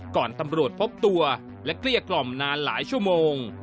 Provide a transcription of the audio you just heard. ตำรวจพบตัวและเกลี้ยกล่อมนานหลายชั่วโมง